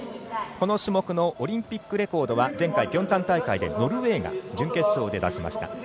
この種目のオリンピックレコードは前回ピョンチャン大会でノルウェーが準決勝で出しました